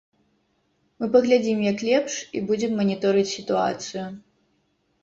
Мы паглядзім, як лепш, і будзем маніторыць сітуацыю.